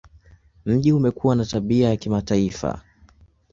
Mji umekuwa na tabia ya kimataifa.